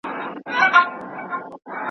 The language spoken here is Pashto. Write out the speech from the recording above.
بهرنۍ پالیسي د سولي مخالفه نه وي.